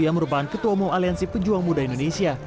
ia merupakan ketua umum aliansi penjuang muda indonesia